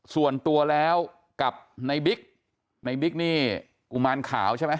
ส่วนตัวแล้วกับในบิ๊กในบิ๊กนี่กุมารขาวใช่ไหม